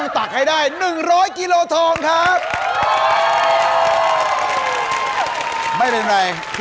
หมายเลข๕๐๐๐บาท